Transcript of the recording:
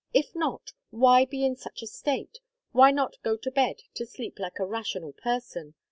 If not, why be in such a state? Why not go to bed and to sleep like a rational person?